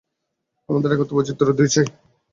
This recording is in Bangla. আমাদের একত্ব এবং বৈচিত্র্য দুই-ই চাই।